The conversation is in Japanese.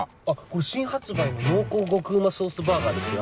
新発売の濃厚極旨ソースバーガーですよ。